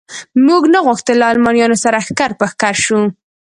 موږ نه غوښتل له المانیانو سره ښکر په ښکر شو.